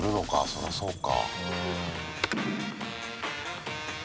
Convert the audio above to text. そりゃそうか。